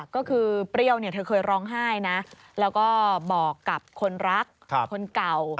ก็คือเปรี้ยวเธอเคยร้องไห้นะแล้วก็บอกกับคนรักคนเก่า